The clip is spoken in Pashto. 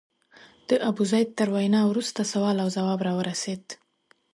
د ابوزید تر وینا وروسته سوال او ځواب راورسېد.